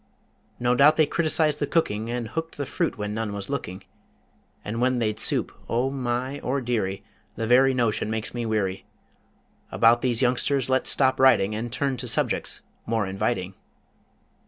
No doubt they criticised the cooking And hooked the fruit when none was looking, And when they'd soup O my! O Deary! The very notion makes me weary. About these youngsters let's stop writing And turn to subjects more inviting!